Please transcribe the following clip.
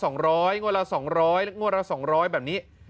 งวลละ๒๐๐งวลละ๒๐๐แบบนี้